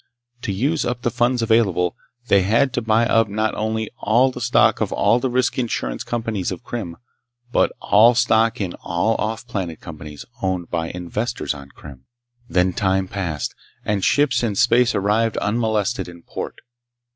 To use up the funds available, they had to buy up not only all the stock of all the risk insurance companies of Krim, but all stock in all off planet companies owned by investors on Krim. Then time passed, and ships in space arrived unmolested in port.